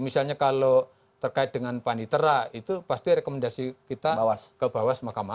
misalnya kalau terkait dengan panitera itu pasti rekomendasi kita ke bawah semakam